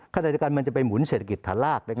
ขณะเดียวกันมันจะไปหมุนเศรษฐกิจฐานลาก